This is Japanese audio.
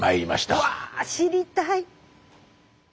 うわ知りたい。